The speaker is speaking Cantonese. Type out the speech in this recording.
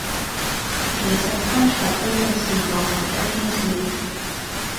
其實他才真正是我們的天使。